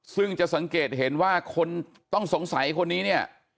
ซึ่งจะสังเกตเห็นว่าคนต้องสงสัยคนนี้เนี่ย